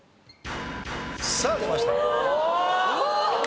さあ出ました。